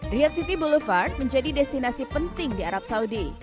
riyad city boulevard menjadi destinasi penting di arab saudi